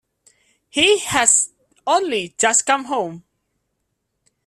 He has only just come home.